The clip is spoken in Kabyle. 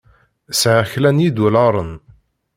Sɛiɣ kra n yidulaṛen.